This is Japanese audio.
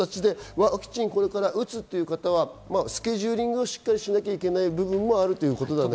ワクチンをこれから打つという方、スケジューリングをしっかりしなきゃいけないということもありますね。